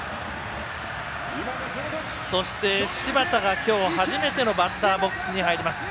そして、柴田が今日、初めてのバッターボックスに入ります。